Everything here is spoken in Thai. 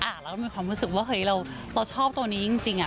แล้วเรามีความรู้สึกว่าเฮ้ยเราชอบตัวนี้จริง